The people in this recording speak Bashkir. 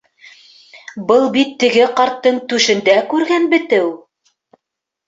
Был бит теге ҡарттың түшендә күргән бетеү!